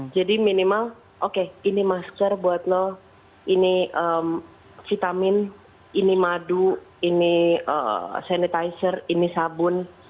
jadi minimal oke ini masker buat lo ini vitamin ini madu ini sanitizer ini sabun